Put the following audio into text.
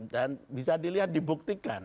dan bisa dilihat dibuktikan